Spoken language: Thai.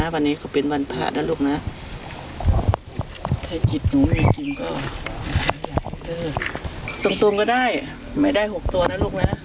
วันนี้ก็เป็นวันผ่านนะลูกนะถ้าหยิดหนูมีจริงก็ตรงก็ได้ไม่ได้๖ตัวนะลูกนะ